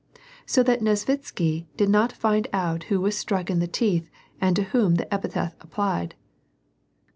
So that Nesvitsky did not find out who was struck in the teeth and to whom the epithet applied.